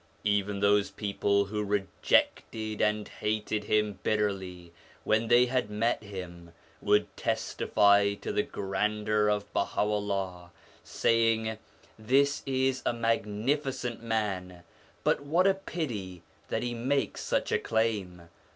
Even those people who rejected and hated him bitterly, when they had met him, would testify to the grandeur of Baha'u'llah, saying :' This is a magnificent man, but what a pity that he makes such a claim